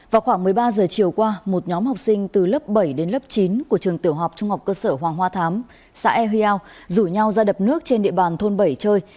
vào khoảng một mươi ba giờ chiều qua một nhóm học sinh từ lớp bảy đến lớp chín của trường tiểu học trung học cơ sở hoàng hoa thám xã eheao rủ nhau ra đập nước trên địa bàn thôn bảy chơi